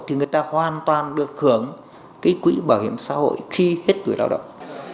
thì người ta hoàn toàn được hưởng cái quỹ bảo hiểm xã hội khi hết tuổi lao động